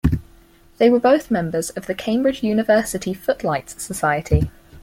They were both members of the Cambridge University Footlights society.